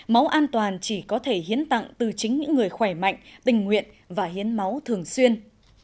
máu an toàn chỉ có thể hiến tặng từ chính những người khỏe mạnh tình nguyện và hiến máu thường xuyên